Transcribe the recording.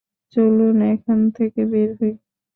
চলুন এখান থেকে বের হই!